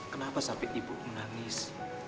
kenapa sampai ibu menangis